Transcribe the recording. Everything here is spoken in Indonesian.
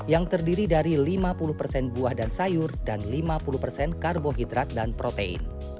yang terdiri dari lima puluh persen buah dan sayur dan lima puluh persen karbohidrat dan protein